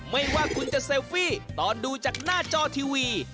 ไม่ว่าคุณจะเซลฟี่ตอนดูจากหน้าจอทีวี